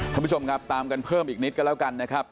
คุณผู้ชมครับตามกันเพิ่มอีกนิดก็แล้วกันนะครับ